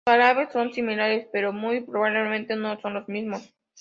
Los jarabes son similares pero muy probablemente no son los mismos.